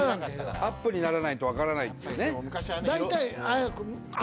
アップにならないと分からないっていうね